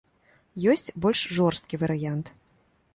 Ёсць больш жорсткі варыянт.